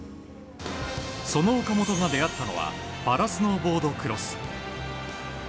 その岡本が出会ったのはパラスノーボードクロス。